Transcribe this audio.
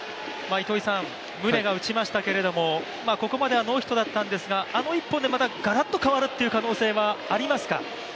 宗が打ちましたけれども、ここまではノーヒットだったんですがあの１本でガラッと変わるという可能性はありますか？